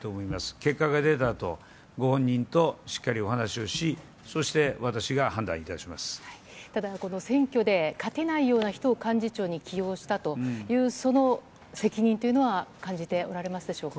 結果が出たあと、ご本人としっかりお話をし、そして私が判断いたただ、この選挙で勝てないような人を幹事長に起用したというその責任というのは、感じておられますでしょうか。